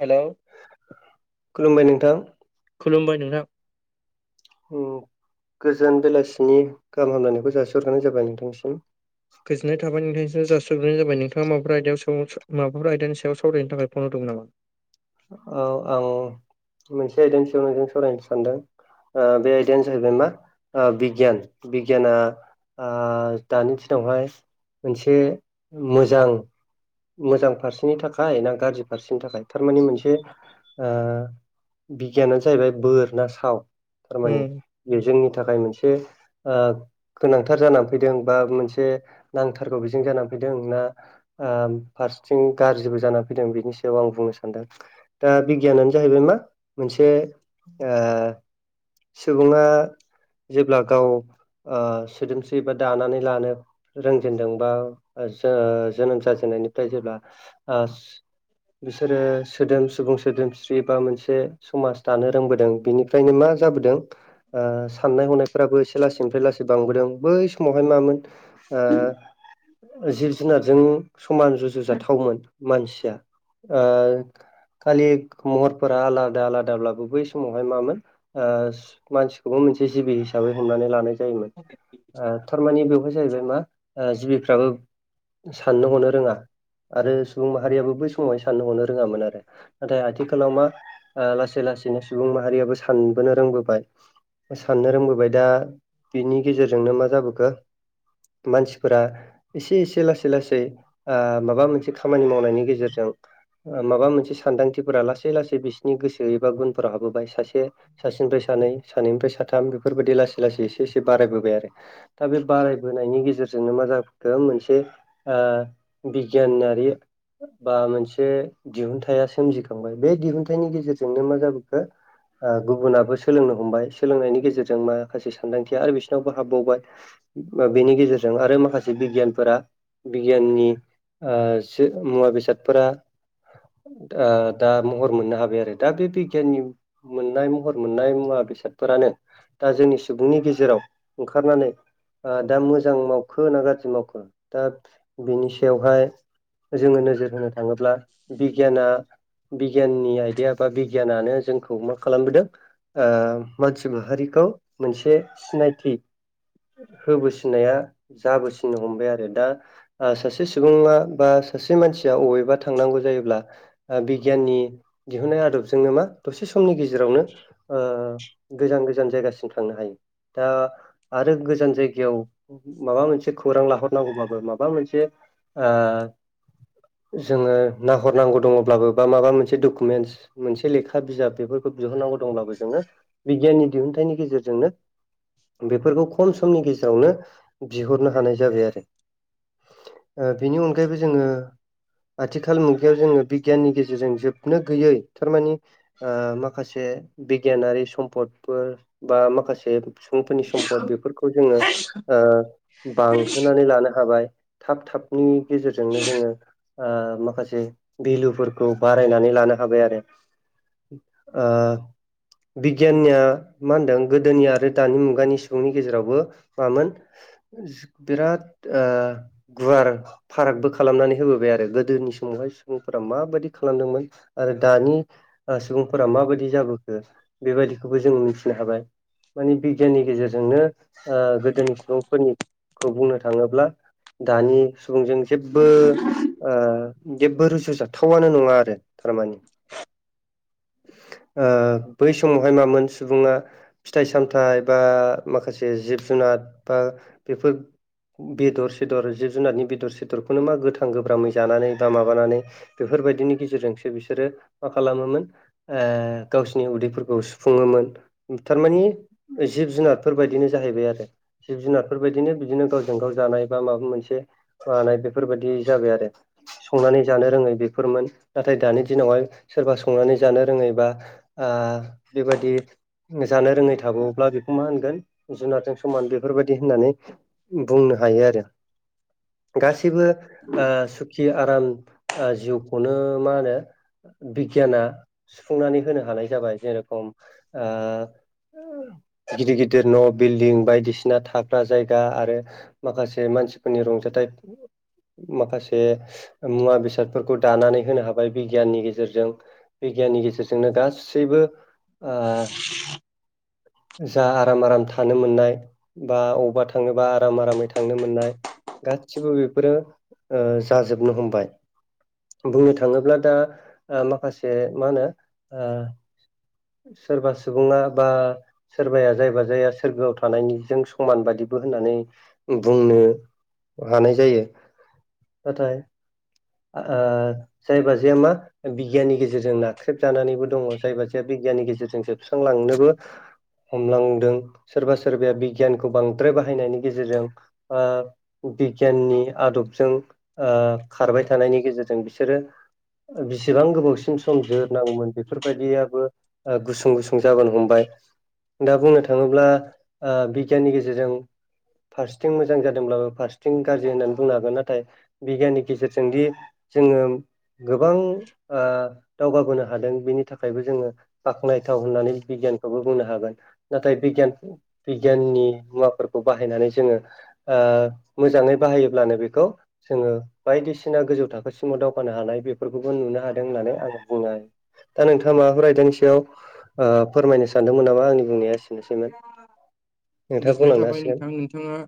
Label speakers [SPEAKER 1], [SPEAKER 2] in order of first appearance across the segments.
[SPEAKER 1] हेल'
[SPEAKER 2] खुलुमबाय नोंथां।
[SPEAKER 1] खुलुमबाय नोंथां।
[SPEAKER 2] गोजोन बेलासिनि गाहाम हामलायनायखौ जासिहरग्रोनाय जाबाय नोंथांनिसिम।
[SPEAKER 1] गोजोननाय थाबाय। नोंथांनिसिमबो जासिहरग्रोनाय जाबाय, नोंथाङा माबाफोर आयदायाव माबाफोर आयदानि सायाव सावरायनो थाखाय फन हरदोंमोन नामा?
[SPEAKER 2] औ आं मोनसे आइदेन सायाव नोंजों सावरायनो सानदों। बे आयदायानो जाहैबाय मा बिगियान। बिगियाना ओ दानि दिनावहाय मोनसे मोजां मोजां फारसेनि थाखाय ना गाज्रि फारसेनि थाखाय थारमाने मोनसे मोनसे ओ बिगियानानो जाहैबाय बोर ना साव थारमाने बे जोंनि थाखाय मोनसे ओ गोनांथार जानानै फैदों बा मोनसे नांथारगौ बिजों जानानै फैदों ना ओ फारसेथिं गाज्रिबो जाना फैदों बिनि सायाव आं बुंनो सानदों। दा बिगियानानो जाहैबाय मा मोनसे आ सुबुङा जेब्ला गाव ओ सोदोमस्रि एबा दानानै लानो रोंजेनदोंबा जो-जोनोम जाजेननायनिफ्राय जेब्ला ओ बिसोरो सोदोम सुबुं सोदोमस्रि बा मोनसे समाज दानो रोंबोदों बेनिफ्रायनो मा जाबोदों ओ साननाय हनायफोराबो एसे लासैनिफ्राय लासै बांबोदों। बै समावहाय मामोन ओ ओ जिब जुनारजों समान जुजाथावमोन मानसिया ओ खालि महरफोरा आलादा आलादाब्लाबो बै समावहाय मामोन ओ मानसिखौबो मोनसे जिबि हिसाबै हमनानै लानाय जायोमोन ओ थामाने बेवहाय जाहैबाय मा ओ जिबिफ्राबो साननो हरनो रोङा आरो सुबुं माहारियाबो बै समावहाय साननो हनो रोङामोन आरो। नाथाय आथिखालाव मा ओ लासै लासैनो सुबुं माहारियाबो सानबोनो रोंबोबाय। साननो रोंबोबाय दा बिनि गेजेरजोंनो मा जाबोखो मानसिफोरा एसे एसे लासै लासै ओ माबा मोनसे खामानि माव नायनि गेजेरजों ओ माबा मोन से सानदांथिफोरा लासै लासै बिसोरनि गोसो एबा गुनफोराव हाबबोबाय सासे सासेनिफ्राय सानै सानैनिफ्राय साथाम बेफोरबायदि लासै लासै एसे एसे बारायबोबाय आरो। दा बे बारायबोनायनि गेजेरजोंनो मा जाबोखो मोनसे ओ बिगियानारि बा मोनसे दिहुनथाइ थाइया सोमजिखांबाय बे दिहुनथाइनि गेजेरजोंनो मा जाबोखो ओ गुबुनाबो सोलोंनो हमबाय सोलोंनायनि गेजेरजों माखासे सानदांथिया आरो बिसिनावबो हाबबावबाय। नबा बेनि गेजेरजों आरो माखासे बिगियानफोरा बिगियाननि ओ मुवा बेसादफोरा ओ दा महर मोननो हाबाय आरो दा बे बिगियाननि मोननाय महर मोननाय मुवा बेसादफोरानो दा जोंनि सुबुंनि गेजेराव ओंखारनानै ओ दा मोजां मावखो ना गाज्रि मावखो? दा बिनि सायावहाय जोङो नोजोर होनो थाङोब्ला बि दा बिगियाननि आइदाया बा बिगियानानो जोंखौ मा खालामबोदों ओ मानसि माहारिखौ मोनसे सिनायथि होबोसिननाया जाबोसिननो हमबाय आरो दा आ सासे सुबुङा बा सासे मानसिया अबेबा थांनांगौ जायोब्ला ओ बिगियाननि दिहुनन्नाय आदबजोंनो मा दसे समनि गेजेरावनो ओ गोजान गोजान जायगासिम थांनो हायो। दा आरो गोजान जायगायाव माबा मोनसे खौरां लाहरनांगौबाबो माबा मोनसे ओ जोङो नाहरनांगौ दङब्लाबो बा माबा मोनसे डकुमेन्टस मोनसे लेखा बिजाब बेफोरखौ दिहुननांगौ दंब्लाबो जोङो बिगियाननि दिहुनथाइनि गेजेरजोंनो बेफोरखौ खम समनि गेजेरावनो बिहरनो हानाय जाबाय आरो। ओ बेनि अनगायैबो जोङो आथिखाल मुगायाव जोङो बिगियाननि गेजेरजों जोब - बनो गैयै, थारमाने ओ माखासे बिगियानारि सम्पद फोर बा माखासे सुबुंफोरनि सम्फद बेफोरखौ जोङो ओ बांहोनानै लानो हाबाय। थाब थाबनि गेजेरजोंनो जोङो ओ माखासे बिलुफोरखौ बारायनानै लानो हाबाय आरो। ओ बिगियानिया मा होनदों गोदोनि आरो दानि मुगानि सुबुंनि गेजेरावबो मामोन [unintelligible] बिराद ओ गुवार फारागबो खालामनानै होबोबाय आरो गोदोनि समावहाय सुबुंफोरा माबायदि खालामदोंमोन आरो दानि सुबुंफोरा माबायदि जाबोखो बेबायदिखौबो जों मिथिनो हाबाय। मानि बिगियाननि गेजेरजोंनो ओ गोदोनि सुबुंफोरनिखौ बुंनो थाङोब्ला दानि सुबुंजों जेब्बो ओ जेबो रु जु जाथावानो नङा आरो थारमानि। ओ बै समावहाय मामोन सुबुङा फिथाइ सामथाइ बा माखासे जिब जुनार बा बेफोर बेदर सेदर जिब जुनारनि बेदर सेदरखौनो मा गोथां गोब्रामै जानानै बा माबानानै बेफोरबायदिनि गेजेरजोंसो बिसोरो मा खालामोमोन ओ गावसिनि उदैफोरखौ सुफुङोमोन। थारमानि जिब जुनारफोर बायदिनो जाहैबाय आरो। जिब जुनारफोर बायदिनो बिदिनो गावजों गाव जानाय बा माबा मोनसे ओ नाय बेफोरबायदि जाबाय आरो संनानै जानो रोङै बेफोरमोन। नाथाय दानि दिनावहाय सोरबा संनानै जानो रोङैबा ओ बेबायादि जानो रोङै थाबावोब्ला बेखौ मा होनगोन जुनारजों समान बेफोरबायदि होननानै बुंनो हायो आरो। गासैबो ओ सुखि आराम ओ जिउखौनो मा होनो बिगियाना सुफुंनानै होनो हानाय जाबाय जे रखम ओ [unintelligible] गिदिर गिदिर न' बिल्डिं बायदिसिना थाग्रा जायगा आरो माखासे मानसिफोरनि रंजाथाइ माखासे मुवा बेसाद फोरखौ दानानै होनो हाबाय बिगियाननि गेजेरजों। बिगियाननि गेजेरजों जोंनो गासैबो ओ जा आराम आराम थानो मोननाय बा अबावबा थाङोबा आराम आरामै थांनो मोननाय गासिबो बेफोरो ओ जाजोबनो हमबाय। बुंनो थाङोब्ला दा ओ माखासे मा होनो ओ सोरबा सुबुङा बा सोरबाया जायबा जाया सोरगोआव थानायनिजों समान बादिबो होननानै बुंनो हानाय जायो। नाथाय ओ जायबा जाया मा बिगियाननि गेजेरजों ना ख्रेब जानानैबो दङ जायबा जायया बिगियाननि गेजेरजों जोबस्रांलांनोबो हमलांदों। सोरबा सोरबाया बिगियानखौ बांद्राय बाहायनायनि गेजेरजों ओ बिगियाननि आदबजों ओ खारबाय थानायनि गेजेरजों बिसोरो बिसेबां गोबावसिम सम जोरनांगौमोन बेफोर बायदियाबो ओ गुसुं गुसुं जाबोन हमबाय। दा बुंनो थाङोब्ला ओ बिगियाननि गेजेरजों फारसेथिं मोजां जादोंब्लाबो फारसेथिं गाज्रि होननानै बुंनो हागोन। नाथाय बिगियाननि गेजेरजोंदि जोङो गोबां ओ दावगाबोनो हादों बेनि थाखायबो जोङो बाख्नायथाव होननानै बिगियानखौबो बुंनो हागोन। नाथाय बिगियान बिगियाननि मुवाफोरखौ बाहायनानै जोङो ओ मोजाङै बाहायोब्लानो बेखौ जोङो बायदिसिना गोजौ थाखोसिमाव दावगानो हानाय बेफोरखौबो नुनो हादों होननानै आं बुङो। दा नोंथाङा माबाफोर आयदानि सायाव ओ फोरमायनो सानदोंमोन नामा आंनि बुंनाया एसेनोसैमोन नोंथाङा
[SPEAKER 1] गोजोननाय
[SPEAKER 2] बुंलांनो
[SPEAKER 1] थाबाय
[SPEAKER 2] हासिगोन
[SPEAKER 1] नोंथां नोंथाङा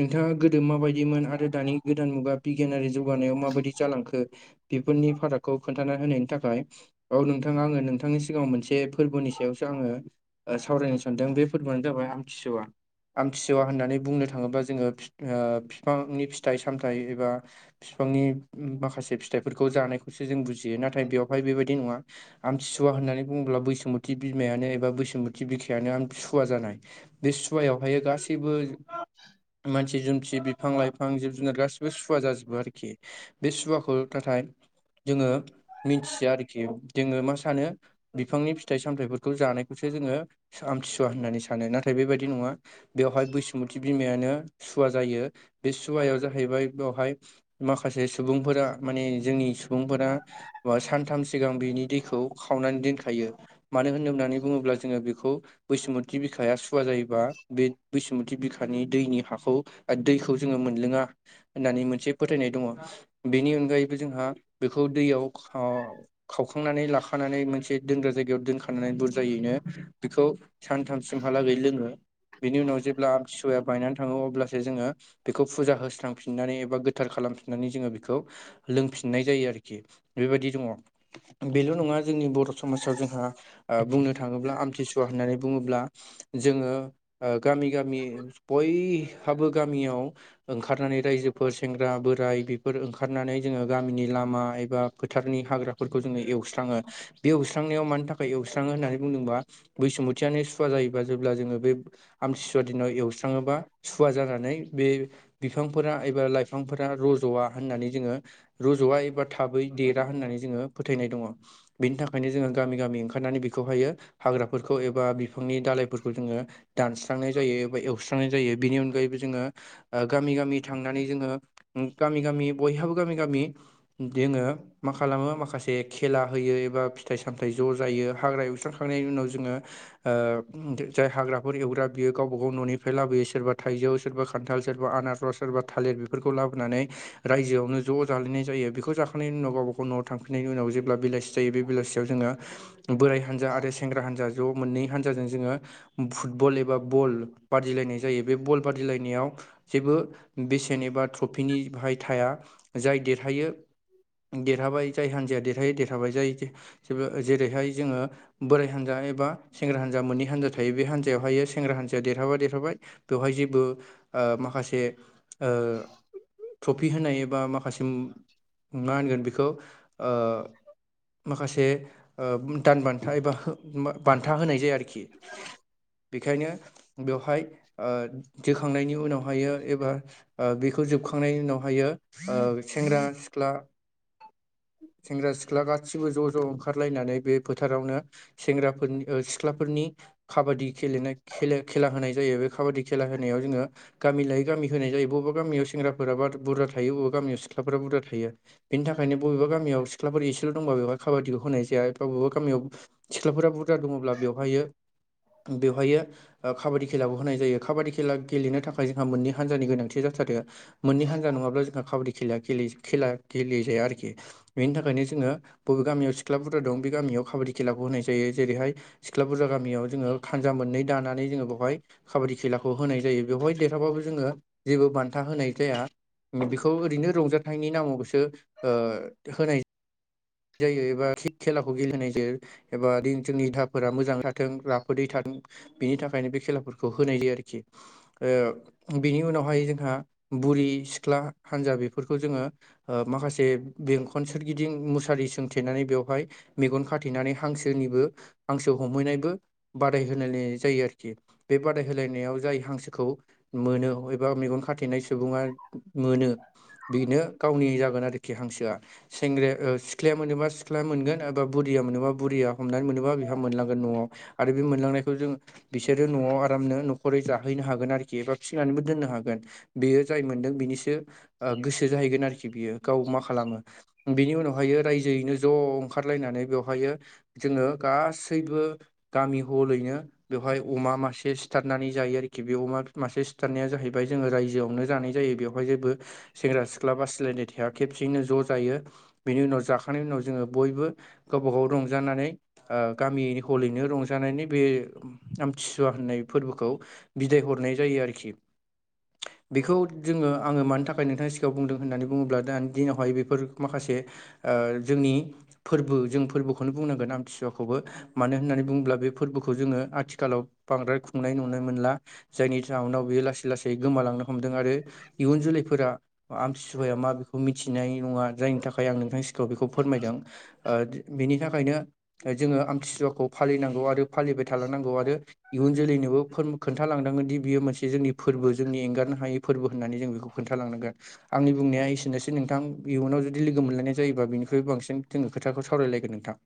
[SPEAKER 1] नोंथाङा गोदो माबायदिमोन आरो दानि गोदान मुगा बिगियानारि जौगानायाव माबायदि जालांखो बिफोरुननि फारागखौ खोन्था होनायनि थाखाय औ नोंथाङा आङो नोंथांनि सिगाङाव मोनसे फोरबोनि सायावसो आङो सावरायनो सानदों बे फोरबोआानो जाबाय आमथिसुवा आमथिसुवा होननानै बुंनो थाङोब्ला जोङो बिफांनि फिथाइ सामथाइ एबा बिफांनि माखासे फिथाइफोरखौ जानायखौसो जों बुजियो नाथाय बेवहाय बेबायदि नङा आमथिसुवा होननानै बुङ्ला बैसुमत बिमायानो एबा बैसुमुथि बिख सुवा जानाय बे सुवायावहाय गासैबो मानसि जुमसि बिफां लाइफां जिब जुनार गासैबो सुवा जाजोबो आरोखि बे सुवाखौ नाथाय जोङो मिथिया आरोखि जोङो मा सानो बिफांनि फिथाइ सामथायाइफोरखौ जानायखौसो जोङो आमथिसुवा होननानै सानो नाथाय बेबायदि नङा बेवहाय बैसुमत बिमायानो सुवा जायो बे सुवायाव जाहैबाय बेवहाय माखासे सुबुंफोरा माने जोंनि सुबुंफोरा सानथाम सिगां बिनि दैखौ खावनानै दोनखायो मानो होनोब होननानै बुङोब्ला जोङो बेखौ बैसुमत बिखाया स फुवा जायोबा बे बैसुमत बिखानि दैनि हाखौ दैखौ जोङो मोनलोङा होननानै मोनसे फोथायनाय दङ बेनि अनगायैबो जोंहा बेखौ दैयाव खावखांनानै लाखानानै मोनसे दोनग्रा जायगायाव दोनखानानै बुरजायैनो खौ सानथामसिमहालागै लोङो बेनि उनाव जेब्ला आ फिसवाया बायनानै थाङो अब्लासो जोङो बेखौ फुजा होस्रां फिननानै एबा गोथार खालामफिननानै जोङो बेखौ लोंफिननाय जायो आरोखि बेबायदि दङ बेल' नङा जोंनि बर' समाजाव जोंहा बुंनो थाङोब्ला आमथिसुवा होननानै बुङोब्ला जोङो गामि गामि बयहाबो गामियाव ओंखारनानै रायजोफोर सेंग्रा बोराय बेफोर ओंखारनानै जोङो गामिनि लामा एबा फोथारनि हाग्राफोरखौ जोङो एवस्राङो बे एवस्रांनायाव मानि थाखाय एवस्राङो होननानै बुंदोंबा बैसुमुथियानो सुव जायोबा जेब्ला जोङो बे आमथिसुवा दिनाव एवस्राङोबा सुवा जानानै बे बिफांफोरा एबा लाइफांफोरा रजा होननानै जोङो रजा एबा थाबै देरा होननानै जोङो फोथायनाय दङ बिनि थाखायनो जोङो गामि गामि ओंखारनानै बेखौहायो हाग्राफोरखौ एबा बिफांनि दालाायफोरखौ जोङो दानस्रांनाय जायो एबा एवस्रांनाय जायो बिनि अनगायैबो जोङो गामि गामि थांनानै जोङो गामि गामि बयहाबो गामि गामि जोङो मा खालामो माखासे खेला होयो एबा फिथाइ सामथायाइ ज' जायो हाग्रा एवस्रांखांनायनि उनाव जोङो जाय हाग्राफोर एवग्रा बियो गावबा गाव न'निफ्राय लाबोयो सोरबा थाइजौ सोरबा खान्थाल सोरबा आनारस सोरबा थालिर बेफोरखौ लाबोनानै रायजोआवनो ज' जालायनाय जायो बेखौ जाखांनायनि उनाव गावबााव न'आव थांफिननायनि उनाव जेब्ला बेलासि जायो बे बेलासियाव जोङो बोराइ हानजा आरो सेंग्रा हान्जा ज' मोननै हानजाजों जोङो फुटबल एबा बल बादिलायनाय जायो बे बल बादिलायनायाव जेबो बेसेन एबा ट्रफिनि बाहाय थाया जाय देरायो देरहाबाय जाय हान्जाया देर जैरैहाय देरहाबाय जेरैहाय जोङो बोराय हानजा एबा बा सेंग्रा हान्जा मोननै हान्जा थायो बे हान्जायावहायो सेंग्रा हान्जाया देरहाबा देरहाबाय बेवहाय जेबो माखासे थ कफि होनाय एबा माखासे मा होनगोन बेखौ माखासे दान बान्था एबा हो‌ मो बान्था होनाय जाया आरोखि बेखायनो बेवहाय जोखांनायनि उनावहायो एबा बेखौ जोबखांनायनि उनावहायो सेंग्रा सिख्ला सेंग्रा सिख्ला गासिबो ज' ज' ओंखारलायनानै बे फोथारावनो सेंग्रा सिख्लाफोरनि काबादिेल खेला होनाय जायो बे खाबादि खेला होनायाव जोंङो गामि लायै गामि होनाय जायो बबा गामियाव सेंग्राफोरााब बा बुरजा थायो। बबा गामियाव सिख्लाफोरा बुरजा थायो। बेनि थाखायनो बबेबा गामियाव सिख्लाफोर एसेल' दंब बेहाय काबादिखौ होनायाया बबेबा बबेबा गामियाव सिख्लाफोरा बुरजा दंङब्ला बेवहायो बेवहायो क खाबादिेलाबो होनाय जायो खाबादि खेला गेलेनो। थाखाय जोंहा मोननै हान्जानि गोनांथिया जा थारो मोननै हान्जा नंङाब्ला जोंहा काबादि खेल खेला गेलेयो जाया आरोखि। बेनि थाखायनो जोंङो बबे गामियाव सिख्लाफोर दं बे गामियाव काबादि खेलाखौ होनाय जायो। जेरैहाय सिख्ला बुरजा गामियाव जोंङो खानजा मोननै दानानै जोंङो बेवहाय। खाबादि खेलाखौ होनाय जायो। बेवहाय देरहा बाबो जोंङो जेबो बान्था होनाय जाया। बेखौ ओरैनो रंजाथाइनि नामावसो होनाय जायो एबा थि खेलाखौ गेलेाय जायो। एबा जोंनि दाफोरा मोजांङै थाथों राफोदै थाथों बिनि थाखायनो बे खेलाफोरखौ होनाय जायो आरोखि। बेनि उनावहाय जोंहा बुरि सिख्ला हानजा बेफोरखौ जोंङो माखासे बेंखन सोरगिदिं मु सारि सोंथेनानै बेवहाय मेगन खाथेनानै हांसोनिबो हांसो हमहैनायबो बादायहोलायायनाय जायो आरोखि बे बादाय होलायनायाव जाय हांसोखौ मोनो एबा मेगन खाथेनाय सुबुंङा मोनो। बेनो गावनि जागोन आरोखि हांसोआ सेंग्राया सिख्लाया मोनोबा सिख्लााया मोनगोन एबा बुरिया मोनोबा बुरिया हमनानै मोनोबा बिहा मोनलांगोन न'आव। आरो बे मोनलांनायखौ जों? बिसोरो न'आव आरामनो न'खरै जाहैनो हागोन आरोखि एबा फिसिनानैबो दोननो हागोन। बेयो जाय मोनदों बिनिसो गोसो जाहैगोन आरोखि बियो गाव मा खालामो बिनि उनाव बेहायो रायजोयैनो ज' ओंखारलायनानै बेवहायो जोंङो गासैबो गामि ह'लैनो। बेवहाय अमा मासे सिथारनानै जायो आरोखि बे अमा मासे सिथारनाया जाहैबाय जोंङो रायजोआवनो जानाय जायो। बेवहाय जेबो सेंग्रा सिख्ला बासिलायनाय थाया खेबसेयैनो ज' जायो। बेनि उनाव जाखांनायनि उनाव जोंङो बयबो। गावबा गाव रंजानानै गामि हलैनो रंजानायनि बे आमथिसुवा होननाय फोरबोखौ बिदाय हरनाय जायो आरोखि।
[SPEAKER 2] [inaudible]
[SPEAKER 1] बेखौ जोंङो आंङो मानि थाखाय नोंथांनि सिगांङाव बुंदों होननानै बुंङोब्ला दानि दिनावहाय बेफोर माखासे जोंनि फोरबो जों फोरबोखौनो बुंनांगोन आमथिसुवाखौबो। मानो होननानै बुंङोब्ला बे फोरबोखौ जोंङो आथिखालाव बांद्राय खुंनाय नुनो मोनला जायनि जउनाव बेयो लासै लासै गोमालांनो हमदों आरो इयुन जोलैफोरा आमतिसुवाया मा बेखौ मिथिनाय नंङा जायनि थाखाय। बे आं नोंथां सिगांङाव बेखौ फोरमायदों बेनि थाखायनो जोंङो आमतथिसुवाखौ फालिनांगौ आरो फालिबाय थालांनांगौ आरो इयुन जोलैनोबो खोनथालांदांगोन दि बियो मोनसे जोंनि फोरबो। जोंनि एंगारनो हायै फोरबो होननानै जों बेखौ। खोन्थालांनांगोन आंनि बुंनाया एसेनोसै नोंथां। इयुनाव जुदि ज' लोगो मोनलायनाय जायोब बिनिख्रइ बांसिन खोथाखौव रायलायगोन नोंथां।